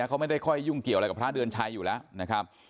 เขาไม่ได้ค่อยยุ่งเกี่ยวอะไรกับพระเดือนชัยอยู่แล้วนะครับ